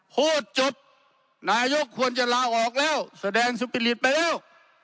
พูดจบนายกควรจะลาออกแล้วแสดงสุปิริตไปแล้ว